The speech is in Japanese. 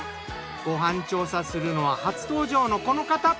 ご飯調査するのは初登場のこの方。